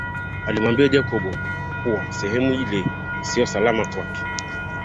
Alimwambia Jacob kuwa sehemu ile sio salama kwake